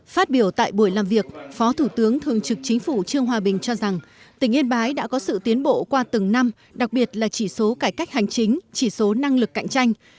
phát biểu tại buổi làm việc phó thủ tướng thường trực chính phủ trương hòa bình cho rằng tỉnh yên bái đã có sự tiến bộ qua từng năm đặc biệt là chỉ số cải cách hành chính chỉ số năng lực cạnh tranh